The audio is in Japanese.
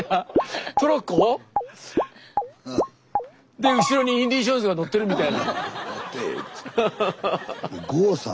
で後ろにインディ・ジョーンズが乗ってるみたいな。